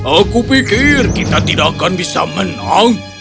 aku pikir kita tidak akan bisa menang